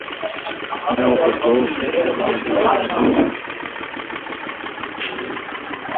Mnyama kudhoofu ni dalili nyingine ya ugonjwa wa ndigana kali